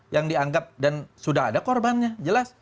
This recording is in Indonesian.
yang dianggap dan sudah ada korbannya jelas